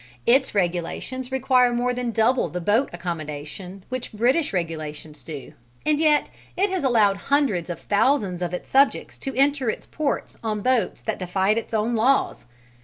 Its regulations require more than double the boat accommodation which the British regulations do, and yet it has allowed hundreds of thousands of its subjects to enter its ports on boats that defied its own laws.